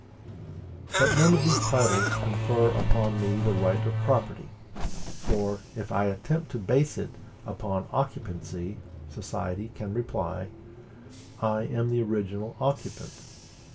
But none of these titles confer upon me the right of property. For, if I attempt to base it upon occupancy, society can reply, "I am the original occupant."